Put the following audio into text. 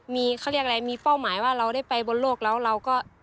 มีเขาเรียกอะไรมีเป้าหมายว่าเราได้ไปบนโลกแล้วเราก็